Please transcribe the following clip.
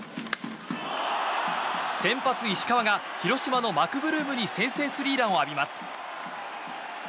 先発、石川が広島のマクブルームに先制スリーランを浴びます。